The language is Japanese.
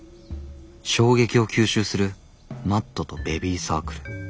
衝撃を吸収するマットとベビーサークル。